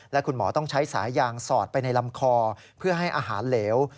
และคุณหมอต้องใช้สายยางสอดไปในลำคอเพื่อให้อาหารเหลว